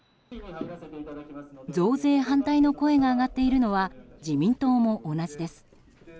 増税反対の声が上がっているのは自民党も同じです。